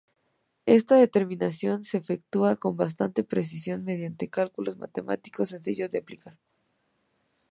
Esta determinación se efectúa con bastante precisión mediante cálculos matemáticos sencillos de aplicar.